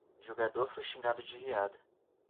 O jogador foi xingado de viado.